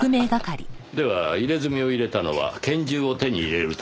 では入れ墨を入れたのは拳銃を手に入れるため。